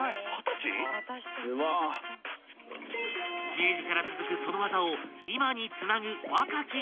［明治から続くその技を今につなぐ］